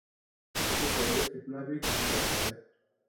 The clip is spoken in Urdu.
اسے پہلا فتنہ بھی کہا جاتا ہے